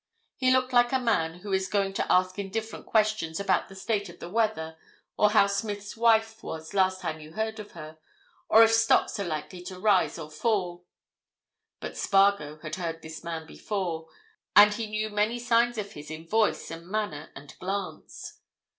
He looked like a man who is going to ask indifferent questions about the state of the weather, or how Smith's wife was last time you heard of her, or if stocks are likely to rise or fall. But Spargo had heard this man before, and he knew many signs of his in voice and manner and glance.